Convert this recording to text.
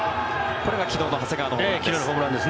これが昨日の長谷川のホームランです。